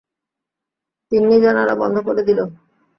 তিন্নি জানালা বন্ধ করে দিল।